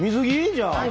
じゃあ。